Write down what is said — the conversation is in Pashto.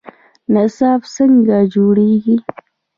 نصاب څنګه جوړیږي؟